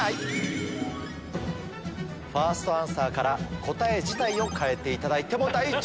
ファーストアンサーから答え自体を変えていただいても大丈夫。